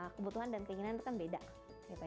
kebutuhan dan keinginan itu kan beda gitu